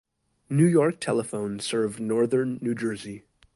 New York Telephone served northern New Jersey.